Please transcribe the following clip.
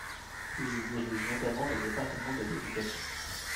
Il y dirige notamment le département de l'éducation.